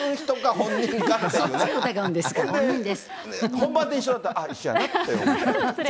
本番で一緒やったら、ああ、一緒やなって。